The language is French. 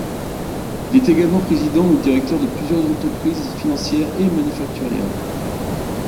Il est également président ou directeur de plusieurs entreprises financières et manufacturières.